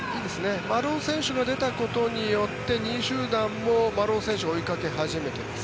丸尾選手が出たことによって２位集団も丸尾選手を追いかけ始めています。